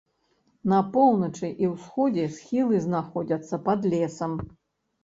На поўначы і ўсходзе схілы знаходзяцца пад лесам.